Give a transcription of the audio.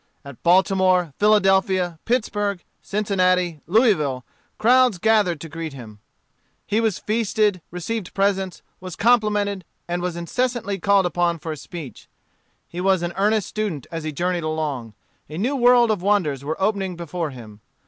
At Baltimore, Philadelphia, Pittsburgh, Cincinnati, Louisville, crowds gathered to greet him. He was feasted, received presents, was complimented, and was incessantly called upon for a speech. He was an earnest student as he journeyed along. A new world of wonders were opening before him.